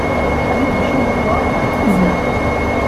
Allée du Champ de Bois à Tresserve